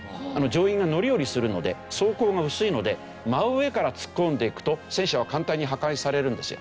乗員が乗り降りするので装甲が薄いので真上から突っ込んでいくと戦車は簡単に破壊されるんですよ。